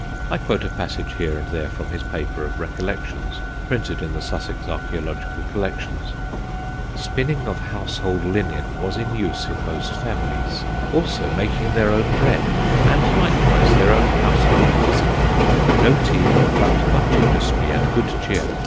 I quote a passage here and there from his paper of recollections printed in the Sussex Archæological Collections: "Spinning of Household Linnen was in use in most Families, also making their own Bread, and likewise their own Household Physick. No Tea, but much Industrey and good Cheer.